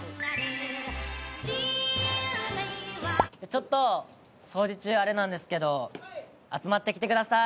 ちょっと掃除中あれなんですけど集まってきてください。